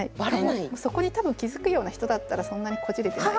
そこに多分気付くような人だったらそんなにこじれてない。